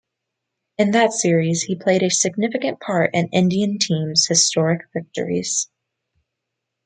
In that series, he played a significant part in Indian team's historic victories.